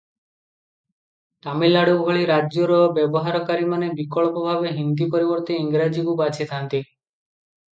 ତାମିଲନାଡ଼ୁ ଭଳି ରାଜ୍ୟର ବ୍ୟବହାରକାରୀମାନେ ବିକଳ୍ପ ଭାବେ ହିନ୍ଦୀ ପରିବର୍ତ୍ତେ ଇଂରାଜୀକୁ ବାଛିଥାନ୍ତି ।